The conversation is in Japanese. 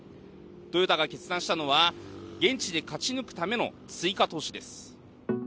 トヨタが決断したのは現地で勝ち抜くための追加投資です。